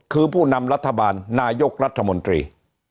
คือผู้นำรัฐบาลนายกรัฐมนตรี